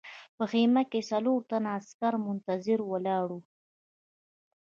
په خیمه کې څلور تنه عسکر منتظر ولاړ وو